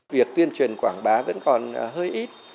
việc tuyên truyền quảng bá vẫn còn hơi ít